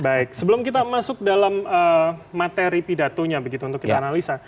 baik sebelum kita masuk dalam materi pidatonya begitu untuk kita analisa